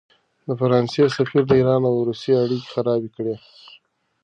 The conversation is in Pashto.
د فرانسې سفیر د ایران او روسیې اړیکې خرابې کړې.